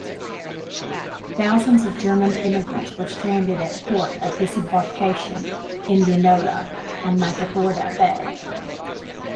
Thousands of German immigrants were stranded at port of disembarkation, Indianola, on Matagorda Bay.